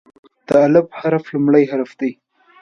د "الف" حرف لومړی حرف دی.